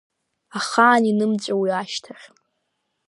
Ахаан инымҵәо уи ашьҭахь.